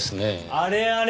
あれあれ？